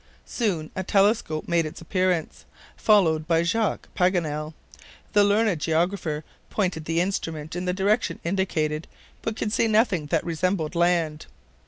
Soon a telescope made its appearance, followed by Jacques Paganel. The learned geographer pointed the instrument in the direction indicated, but could see nothing that resembled land.